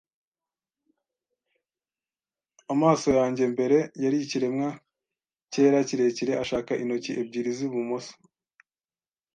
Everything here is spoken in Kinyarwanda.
amaso yanjye mbere. Yari ikiremwa cyera, kirekire, ashaka intoki ebyiri zi bumoso